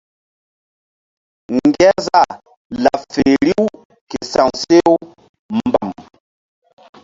Ŋgerzah laɓ feri riw ke sa̧w she u mbam.